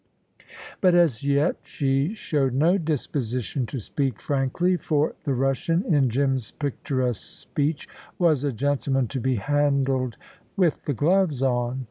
But as yet she showed no disposition to speak frankly, for the Russian, in Jim's picturesque speech, was a gentleman to be handled "with the gloves on."